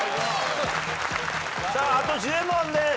あと１０問です。